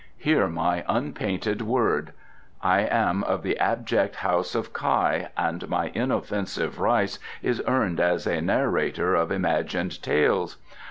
Hear my unpainted word. I am of the abject House of Kai and my inoffensive rice is earned as a narrator of imagined tales.